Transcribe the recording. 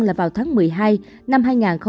là vào tháng một mươi hai năm hai nghìn hai mươi